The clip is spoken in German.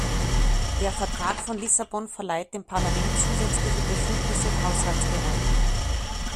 Der Vertrag von Lissabon verleiht dem Parlament zusätzliche Befugnisse im Haushaltsbereich.